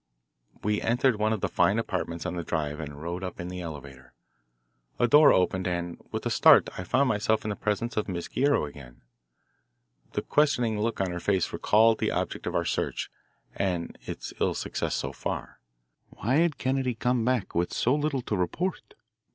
We entered one of the fine apartments on the drive and rode up in the elevator. A door opened and, with a start, I found myself in the presence of Miss Guerrero again. The questioning look on her face recalled the object of our search, and its ill success so far. Why had Kennedy come back with so little to report?